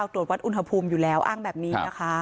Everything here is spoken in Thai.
ตรวจวัดอุณหภูมิอยู่แล้วอ้างแบบนี้นะคะ